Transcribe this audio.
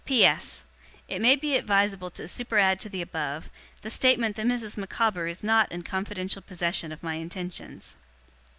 'P.S. It may be advisable to superadd to the above, the statement that Mrs. Micawber is not in confidential possession of my intentions.